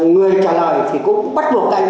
người trả lời thì cũng bắt buộc anh